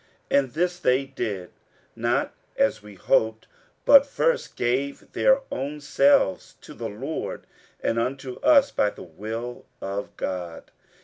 47:008:005 And this they did, not as we hoped, but first gave their own selves to the Lord, and unto us by the will of God.